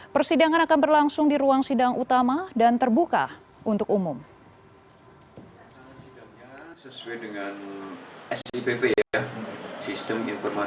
persidangan akan berlangsung di ruang sidang utama dan terbuka untuk umum